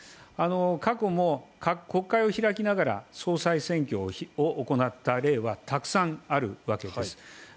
過去も国会を開きながら総裁選を行った例はたくさんあるわけです。